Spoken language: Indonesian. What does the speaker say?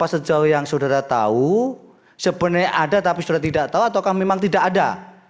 sejauh yang saudara tahu sebenarnya ada tapi sudah tidak tahu atau memang tidak ada